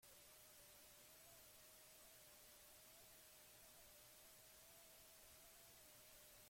Eta, besteak beste, Beran guardiei eltzetzuak esaten dietela jakin dugu.